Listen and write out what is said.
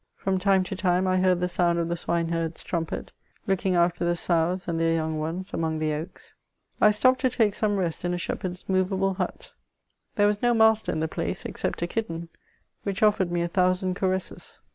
From time to time I heard the sound of the swineherd's trumpet, looking after the sows and their young ones among the odks. I stepped to take some rest in a shepherd's moveable hut; there was no master in the place, except a kitten, which offered me a thousand caresses.